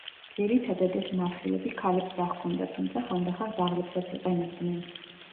ძირითადად ეს მარხილები ქალებს დაჰქონდათ, თუმცა ხანდახან ძაღლებსაც იყენებდნენ.